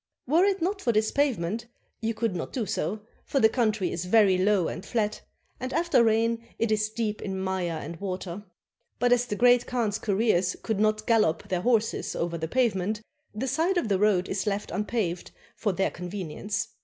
Were it not for this pavement, you could not do so, for the country is very low and flat, and after rain it is deep in mire and water. But as the Great Khan's couriers could not gallop their horses over the pavement, the side of the road is left unpaved for their convenience.